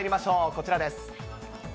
こちらです。